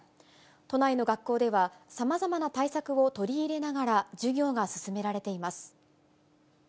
都内の学校では、さまざまな対策を取り入れながら、授業が進められています。